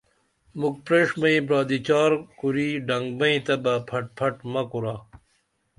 مُکھ پریݜبئیں برادی چار کوری ڈنگبئیں تہ بہ پھٹ پھٹ مہ کُرا